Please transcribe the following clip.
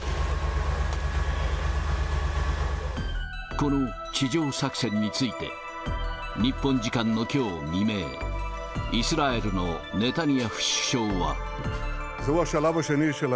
この地上作戦について、日本時間のきょう未明、イスラエルのネタニヤフ首相は。